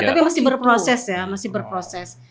tapi masih berproses ya masih berproses